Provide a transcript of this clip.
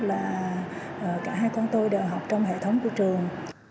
là cả hai con tôi đều học trong hệ thống của trường